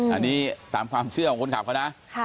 อันนี้ตามความเชื่อของคนขับเขานะ